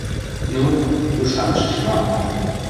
Ну, ӱшанышыч мо?